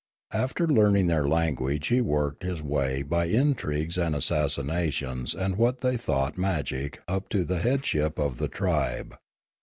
After learning their language he worked his way by intrigues and assassinations and what they thought magic up to the headship of the tribe.